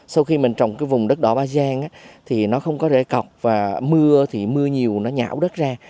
sau khi mình trồng cái vùng đất đỏ ba gian thì nó không có rễ cọc và mưa thì mưa nhiều nó nhảo đất ra